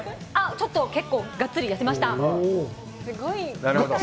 ちょっと結構がっつり痩せました